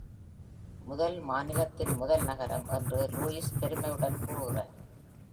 முதல் மாநிலத்தின் முதல் நகரம் என்று லூயிஸ் பெருமையுடன் கூறுகிறார்.